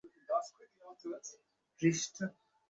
তিনি ভূতের গল্পের একজন উল্লেখযোগ্য লেখক ছিলেন।